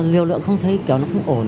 liều lượng không thấy kiểu nó không ổn